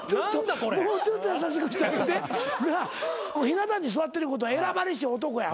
ひな壇に座ってることは選ばれし男や。